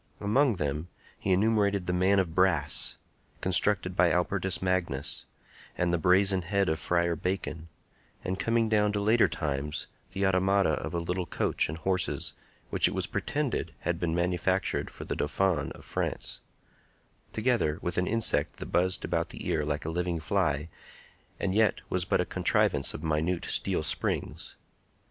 Among them he enumerated the Man of Brass, constructed by Albertus Magnus, and the Brazen Head of Friar Bacon; and, coming down to later times, the automata of a little coach and horses, which it was pretended had been manufactured for the Dauphin of France; together with an insect that buzzed about the ear like a living fly, and yet was but a contrivance of minute steel springs.